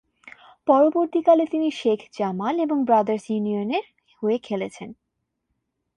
পরবর্তীকালে, তিনি শেখ জামাল এবং ব্রাদার্স ইউনিয়নের হয়ে খেলেছেন।